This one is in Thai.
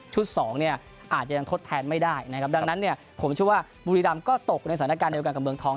ชุด๒อาจจะยังทดแทนไม่ได้นะครับดังนั้นผมชื่อว่าบุยรัมษ์ก็ตกในสถานการณ์เดียวกันกับเมืองทอง